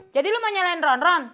jadi lo mau nyalain ronron